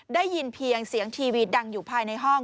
ได้ยินเสียงทีวีดังอยู่ภายในห้อง